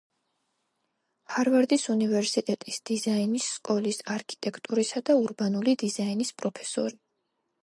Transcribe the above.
ჰარვარდის უნივერსიტეტის დიზაინის სკოლის არქიტექტურისა და ურბანული დიზაინის პროფესორი.